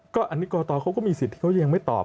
ก็อันนี้กรตเขาก็มีสิทธิ์ที่เขายังไม่ตอบ